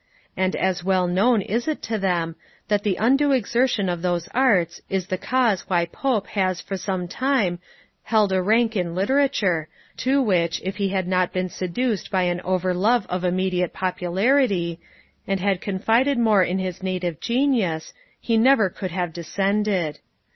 And as well known is it to them, that the undue exertion of those arts is the cause why Pope has for some time held a rank in literature, to which, if he had not been seduced by an over love of immediate popularity, and had confided more in his native genius, he never could have descended.